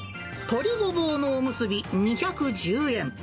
鶏ごぼうのおむすび２１０円。